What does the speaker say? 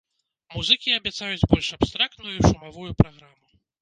Музыкі абяцаюць больш абстрактную і шумавую праграму.